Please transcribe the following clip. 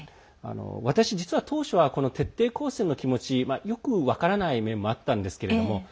私、実は当初はこの徹底抗戦の気持ちよく分からない面もあったんですけれども